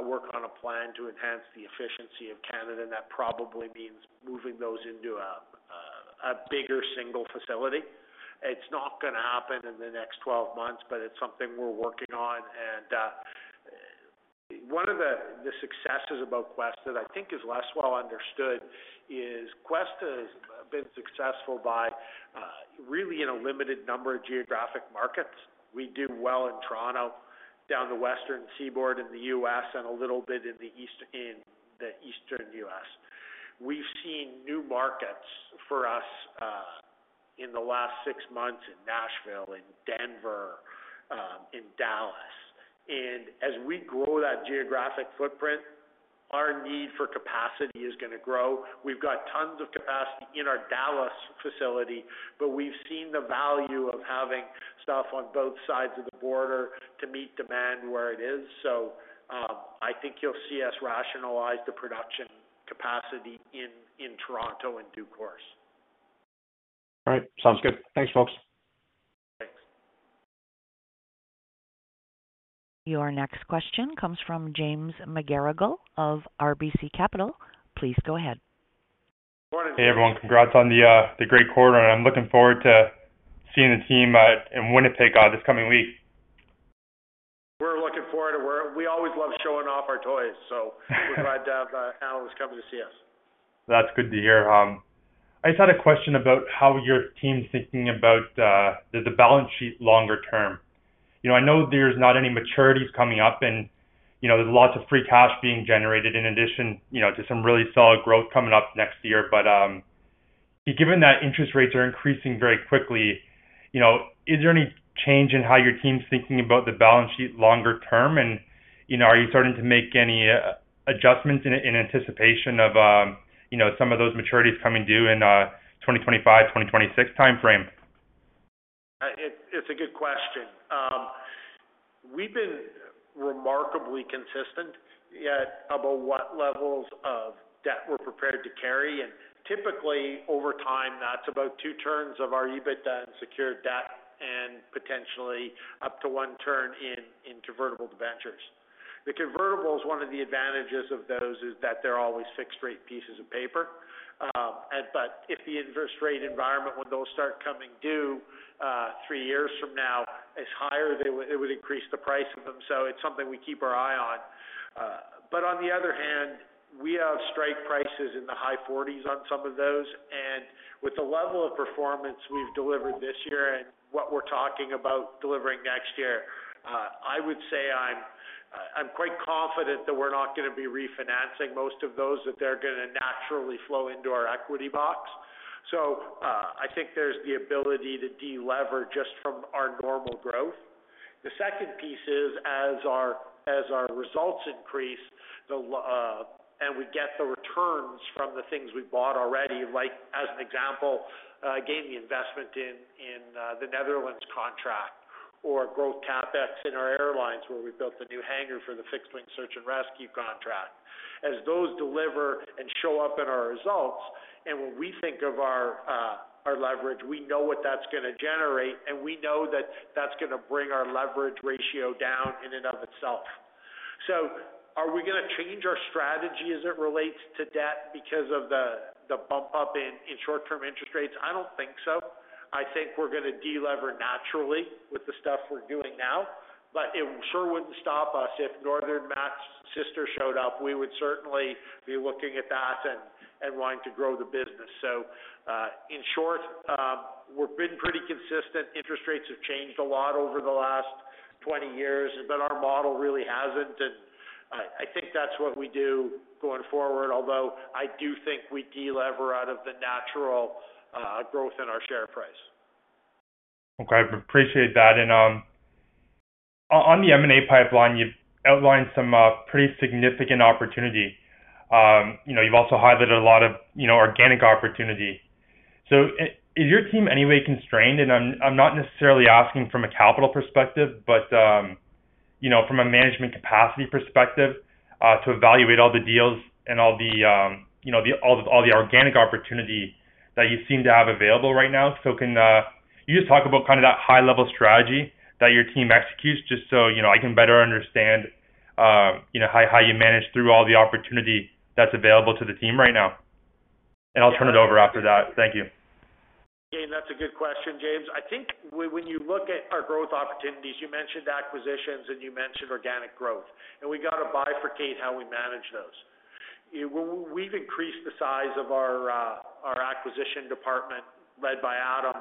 work on a plan to enhance the efficiency of Canada, and that probably means moving those into a bigger single facility. It's not gonna happen in the next 12 months, but it's something we're working on. One of the successes about Quest that I think is less well understood is Quest has been successful by really in a limited number of geographic markets. We do well in Toronto, down the Western Seaboard in the U.S., and a little bit in the East in the Eastern U.S. We've seen new markets for us in the last six months in Nashville, in Denver, in Dallas. As we grow that geographic footprint, our need for capacity is gonna grow. We've got tons of capacity in our Dallas facility, but we've seen the value of having stuff on both sides of the border to meet demand where it is. I think you'll see us rationalize the production capacity in Toronto in due course. All right. Sounds good. Thanks, folks. Thanks. Your next question comes from James McGarragle of RBC Capital Markets. Please go ahead. Morning, James. Hey, everyone. Congrats on the great quarter. I'm looking forward to seeing the team in Winnipeg this coming week. We're looking forward. We always love showing off our toys. We're glad to have analysts coming to see us. That's good to hear. I just had a question about how your team's thinking about the balance sheet longer term. You know, I know there's not any maturities coming up and, you know, there's lots of free cash being generated in addition, you know, to some really solid growth coming up next year. Given that interest rates are increasing very quickly, you know, is there any change in how your team's thinking about the balance sheet longer term? And, you know, are you starting to make any adjustments in anticipation of, you know, some of those maturities coming due in 2025-2026 timeframe? It's a good question. We've been remarkably consistent yet about what levels of debt we're prepared to carry. Typically, over time, that's about two turns of our EBITDA and secured debt and potentially up to one turn in convertible debentures. The convertibles, one of the advantages of those is that they're always fixed rate pieces of paper. But if the interest rate environment when those start coming due, three years from now is higher, it would increase the price of them. It's something we keep our eye on. On the other hand, we have strike prices in the high forties on some of those. With the level of performance we've delivered this year and what we're talking about delivering next year, I would say I'm quite confident that we're not gonna be refinancing most of those, that they're gonna naturally flow into our equity box. I think there's the ability to delever just from our normal growth. The second piece is, as our results increase, and we get the returns from the things we bought already, like as an example, the investment in the Netherlands contract or growth CapEx in our airlines, where we built the new hangar for the fixed-wing search and rescue contract. As those deliver and show up in our results, and when we think of our leverage, we know what that's gonna generate, and we know that that's gonna bring our leverage ratio down in and of itself. Are we gonna change our strategy as it relates to debt because of the bump up in short-term interest rates? I don't think so. I think we're gonna delever naturally with the stuff we're doing now. But it sure wouldn't stop us if Northern Mat & Bridge's sister showed up. We would certainly be looking at that and wanting to grow the business. In short, we've been pretty consistent. Interest rates have changed a lot over the last 20 years, but our model really hasn't. I think that's what we do going forward. Although I do think we delever out of the natural growth in our share price. Okay. Appreciate that. On the M&A pipeline, you've outlined some pretty significant opportunity. You know, you've also highlighted a lot of, you know, organic opportunity. Is your team any way constrained? I'm not necessarily asking from a capital perspective, but, you know, from a management capacity perspective, to evaluate all the deals and all the, you know, all the organic opportunity that you seem to have available right now. Can you just talk about kind of that high level strategy that your team executes just so, you know, I can better understand, you know, how you manage through all the opportunity that's available to the team right now. I'll turn it over after that. Thank you. Again, that's a good question, James. I think when you look at our growth opportunities, you mentioned acquisitions and you mentioned organic growth, and we got to bifurcate how we manage those. We've increased the size of our acquisition department led by Adam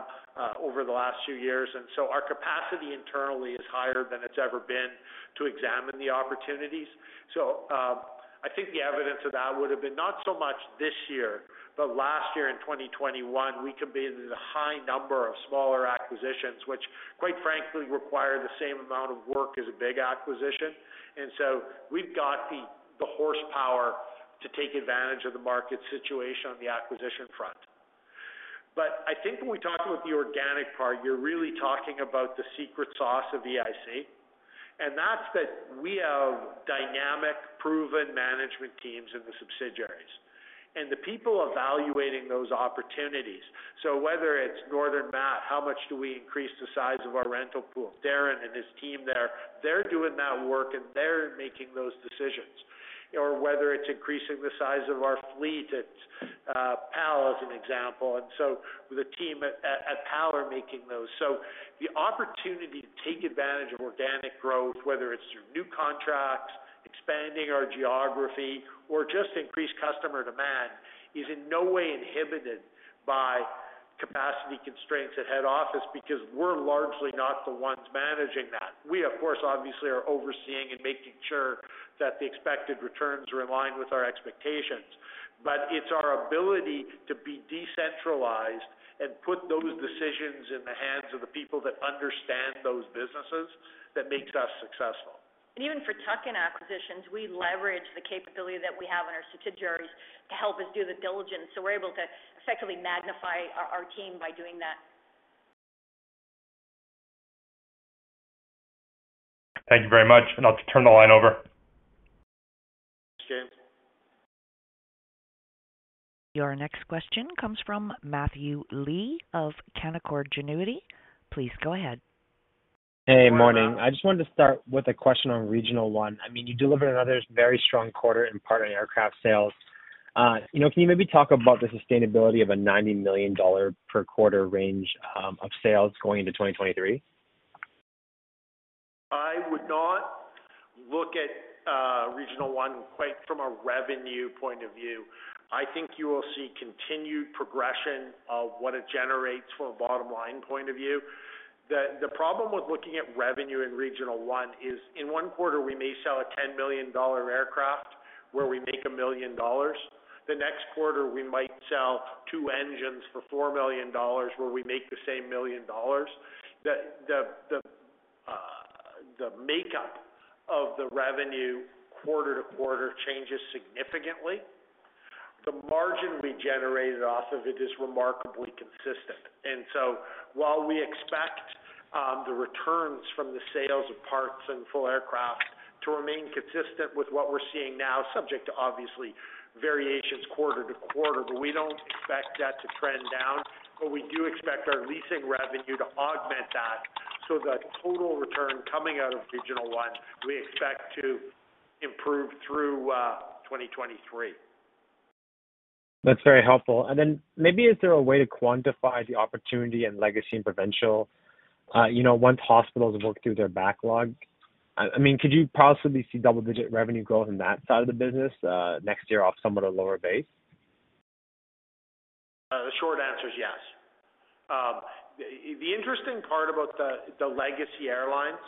over the last few years, and so our capacity internally is higher than it's ever been to examine the opportunities. I think the evidence of that would have been not so much this year, but last year in 2021, we completed a high number of smaller acquisitions, which quite frankly require the same amount of work as a big acquisition. We've got the horsepower to take advantage of the market situation on the acquisition front. I think when we talk about the organic part, you're really talking about the secret sauce of EIC, and that's that we have dynamic, proven management teams in the subsidiaries and the people evaluating those opportunities. Whether it's Northern Mat & Bridge, how much do we increase the size of our rental pool? Darren and his team there, they're doing that work and they're making those decisions. Whether it's increasing the size of our fleet at PAL as an example. The team at PAL are making those. The opportunity to take advantage of organic growth, whether it's through new contracts, expanding our geography or just increased customer demand, is in no way inhibited by capacity constraints at head office because we're largely not the ones managing that. We of course obviously are overseeing and making sure that the expected returns are in line with our expectations. It's our ability to be decentralized and put those decisions in the hands of the people that understand those businesses that makes us successful. Even for tuck-in acquisitions, we leverage the capability that we have in our subsidiaries to help us do the diligence. We're able to effectively magnify our team by doing that. Thank you very much. I'll turn the line over. Thanks, James. Your next question comes from Matthew Lee of Canaccord Genuity. Please go ahead. Hey, morning. I just wanted to start with a question on Regional One. I mean, you delivered another very strong quarter in part on aircraft sales. You know, can you maybe talk about the sustainability of a 90 million dollar per quarter range of sales going into 2023? I would not look at Regional One quite from a revenue point of view. I think you will see continued progression of what it generates from a bottom-line point of view. The problem with looking at revenue in Regional One is in one quarter we may sell a 10 million dollar aircraft where we make 1 million dollars. The next quarter, we might sell two engines for 4 million dollars, where we make the same 1 million dollars. The makeup of the revenue quarter-to-quarter changes significantly. The margin we generated off of it is remarkably consistent. While we expect the returns from the sales of parts and full aircraft to remain consistent with what we're seeing now, subject to obvious variations quarter to quarter, but we don't expect that to trend down. We do expect our leasing revenue to augment that. The total return coming out of Regional One, we expect to improve through 2023. That's very helpful. Maybe is there a way to quantify the opportunity and legacy in provincial, you know, once hospitals work through their backlog? I mean, could you possibly see double-digit revenue growth in that side of the business, next year off somewhat a lower base? The short answer is yes. The interesting part about the legacy airlines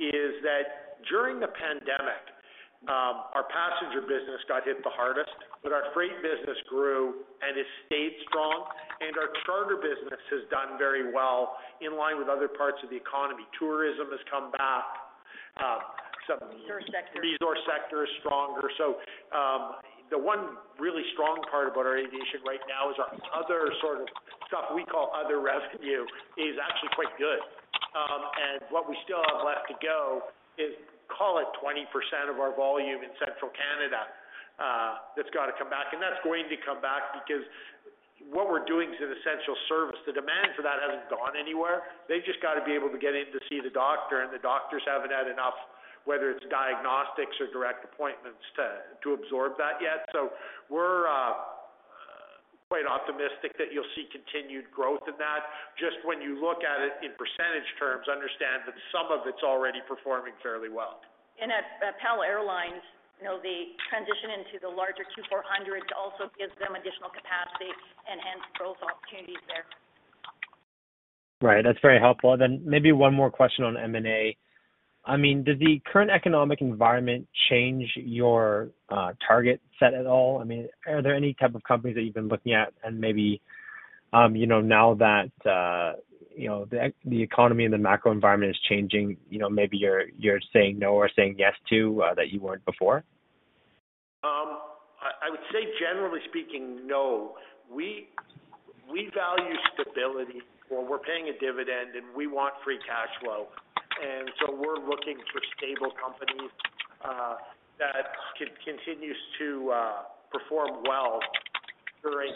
is that during the pandemic, our passenger business got hit the hardest, but our freight business grew and has stayed strong, and our charter business has done very well in line with other parts of the economy. Tourism has come back. Resource sector. Resource sector is stronger. The one really strong part about our aviation right now is our other sort of stuff we call other revenue is actually quite good. What we still have left to go is call it 20% of our volume in Central Canada, that's got to come back, and that's going to come back because what we're doing is an essential service. The demand for that hasn't gone anywhere. They've just got to be able to get in to see the doctor, and the doctors haven't had enough, whether it's diagnostics or direct appointments to absorb that yet. We're quite optimistic that you'll see continued growth in that. Just when you look at it in percentage terms, understand that some of it's already performing fairly well. At PAL Airlines, you know, the transition into the larger Dash 8-400 also gives them additional capacity, enhanced growth opportunities there. Right. That's very helpful. Maybe one more question on M&A. I mean, does the current economic environment change your target set at all? I mean, are there any type of companies that you've been looking at and maybe, you know, now that, you know, the economy and the macro environment is changing, you know, maybe you're saying no or saying yes to that you weren't before? I would say generally speaking, no. We value stability or we're paying a dividend and we want free cash flow. We're looking for stable companies that continues to perform well during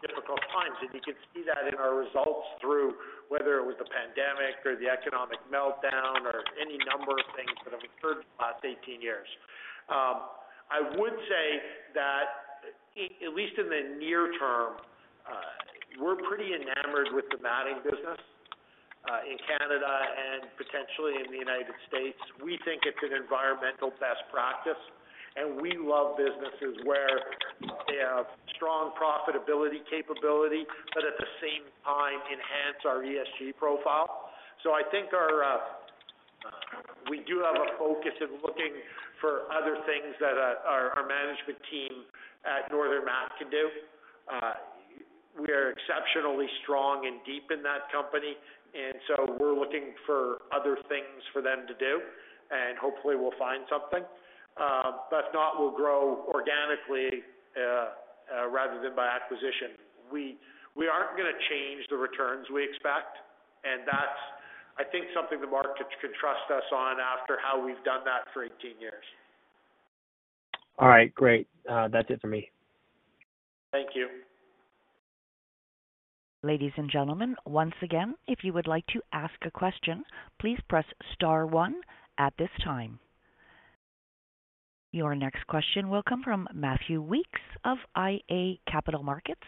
difficult times. You can see that in our results through whether it was the pandemic or the economic meltdown or any number of things that have occurred in the last 18 years. I would say that at least in the near term, we're pretty enamored with the matting business in Canada and potentially in the United States. We think it's an environmental best practice, and we love businesses where they have strong profitability capability, but at the same time enhance our ESG profile. I think we do have a focus of looking for other things that our management team at Northern Mat & Bridge can do. We are exceptionally strong and deep in that company, and so we're looking for other things for them to do, and hopefully we'll find something. If not, we'll grow organically rather than by acquisition. We aren't gonna change the returns we expect, and that's, I think, something the market can trust us on after how we've done that for 18 years. All right, great. That's it for me. Thank you. Ladies and gentlemen, once again, if you would like to ask a question, please press star one at this time. Your next question will come from Matthew Weekes of iA Capital Markets.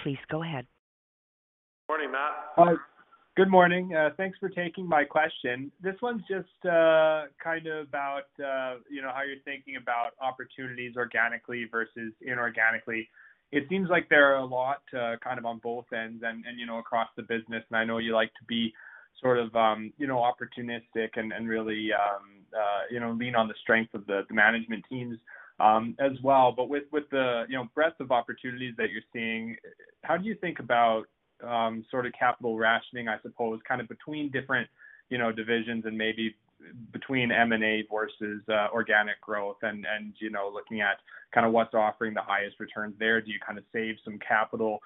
Please go ahead. Morning, Matt. Hi. Good morning. Thanks for taking my question. This one's just kind of about you know how you're thinking about opportunities organically versus inorganically. It seems like there are a lot kind of on both ends and you know across the business, and I know you like to be sort of you know opportunistic and really you know lean on the strength of the management teams as well. But with the you know breadth of opportunities that you're seeing, how do you think about sort of capital rationing, I suppose, kind of between different you know divisions and maybe between M&A versus organic growth and you know looking at kind of what's offering the highest returns there? Do you kind of save some capital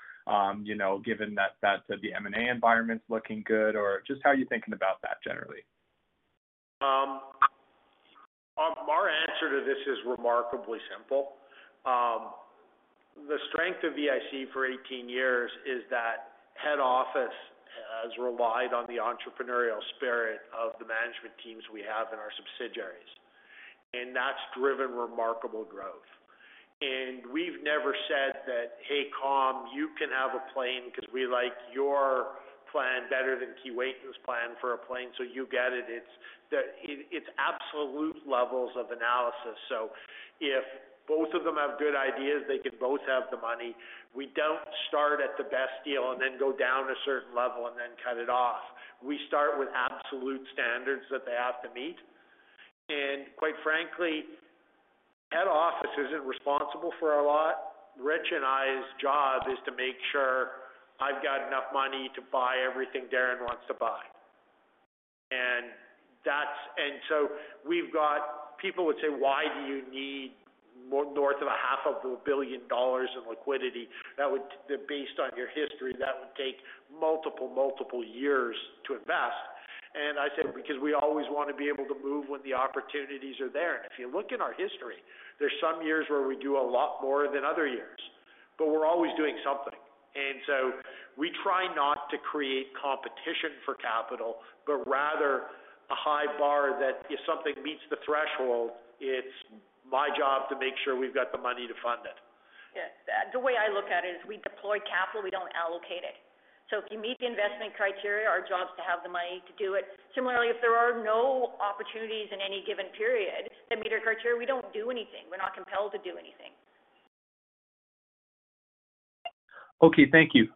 you know given that the M&A environment's looking good? Just how are you thinking about that generally? Our answer to this is remarkably simple. The strength of EIC for 18 years is that head office has relied on the entrepreneurial spirit of the management teams we have in our subsidiaries, and that's driven remarkable growth. We've never said that "Hey, Calm Air, you can have a plane because we like your plan better than Keewatin Air's plan for a plane, so you get it." It's absolute levels of analysis. If both of them have good ideas, they could both have the money. We don't start at the best deal and then go down a certain level and then cut it off. We start with absolute standards that they have to meet. Quite frankly, head office isn't responsible for a lot. Rich and I's job is to make sure I've got enough money to buy everything Darren wants to buy. We've got. People would say, "Why do you need north of a $ 500 million in liquidity that, based on your history, would take multiple years to invest?" I said, "Because we always wanna be able to move when the opportunities are there." If you look in our history, there's some years where we do a lot more than other years, but we're always doing something. We try not to create competition for capital, but rather a high bar that if something meets the threshold, it's my job to make sure we've got the money to fund it. Yeah. The way I look at it is we deploy capital, we don't allocate it. If you meet the investment criteria, our job is to have the money to do it. Similarly, if there are no opportunities in any given period that meet our criteria, we don't do anything. We're not compelled to do anything. Okay. Thank you.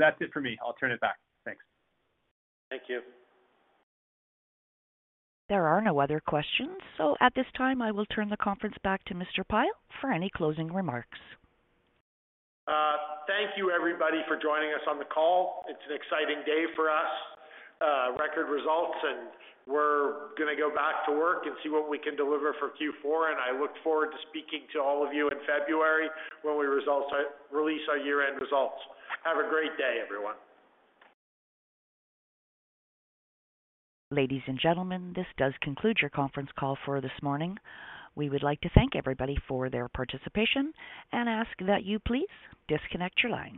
That's it for me. I'll turn it back. Thanks. Thank you. There are no other questions. At this time, I will turn the conference back to Mr. Pyle for any closing remarks. Thank you everybody for joining us on the call. It's an exciting day for us, record results, and we're gonna go back to work and see what we can deliver for Q4. I look forward to speaking to all of you in February when we release our year-end results. Have a great day, everyone. Ladies and gentlemen, this does conclude your conference call for this morning. We would like to thank everybody for their participation and ask that you please disconnect your lines.